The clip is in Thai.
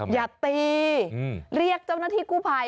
อย่าตีเรียกเจ้าหน้าที่กู้ภัย